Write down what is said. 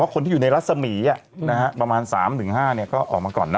แต่ว่าคนที่อยู่ในรัศมีย์อ่ะนะฮะประมาณสามถึงห้าเนี่ยก็ออกมาก่อนเนอะ